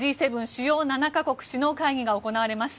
・主要７か国首脳会議が行われます。